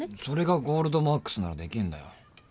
それがゴールドマークスならできるんだよ